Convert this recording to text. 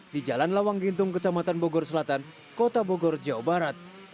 di jalan lawang gintung kecamatan bogor selatan kota bogor jawa barat